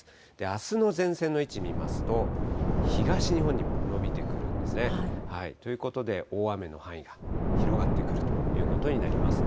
あすの前線の位置、見ますと、東日本にも延びてくるんですね。ということで、大雨の範囲が広がってくるということになります。